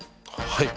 はい。